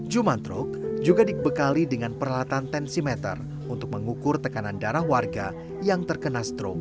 jumantrok juga dibekali dengan peralatan tensimeter untuk mengukur tekanan darah warga yang terkena strok